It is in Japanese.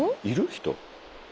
人。